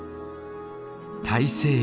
大西洋。